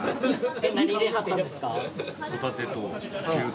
何入れはったんですか？